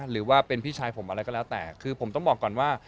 หรือว่าเป็นพี่ชายผมอะไรก็แล้วแต่คือผมต้องบอกก่อนว่า